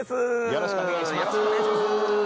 よろしくお願いします。